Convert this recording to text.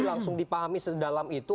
langsung dipahami sedalam itu